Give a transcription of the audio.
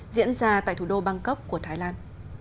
diễn ra tại thủ đô bangkok của thái lan